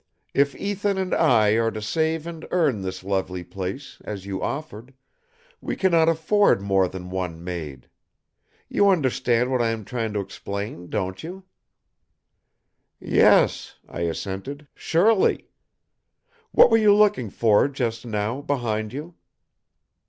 If Ethan and I are to save and earn this lovely place, as you offered, we cannot afford more than one maid. You understand what I am trying to explain, don't you?" "Yes," I assented. "Surely! What were you looking for, just now, behind you?"